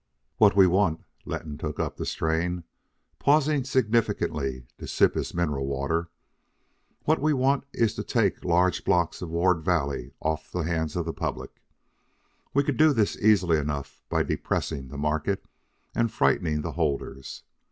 "What we want," Letton took up the strain, pausing significantly to sip his mineral water, "what we want is to take large blocks of Ward Valley off the hands of the public. We could do this easily enough by depressing the market and frightening the holders.